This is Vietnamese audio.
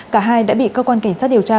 cả hai đã bị cơ quan cảnh sát điều tra